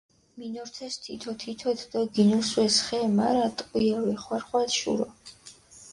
მინორთეს თითო-თითოთ დო გინუსვეს ხე, მარა ტყვია ვეხვარხვალ შურო.